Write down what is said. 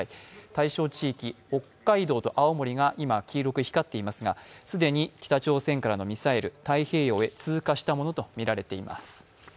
対象地域、北海道と青森が今、黄色く光っていますが既に北朝鮮からのミサイル、太平洋へ通過したものとみられています。